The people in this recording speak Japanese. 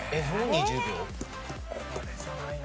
これじゃないな。